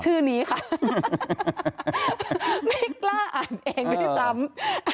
ชื่อนี้ค่ะไม่กล้าอ่านเองด้วยซ้ำ